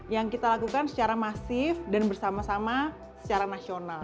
yang kita lakukan secara masif dan bersama sama secara nasional